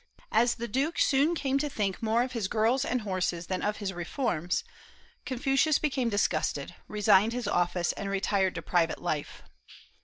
As the duke soon came to think more of his girls and horses than of his reforms, Confucius became disgusted, resigned his office, and retired to private life.